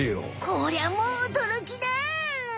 こりゃもうおどろきだ！